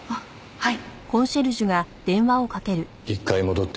はい。